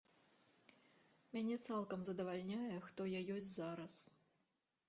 Мяне цалкам задавальняе, хто я ёсць зараз.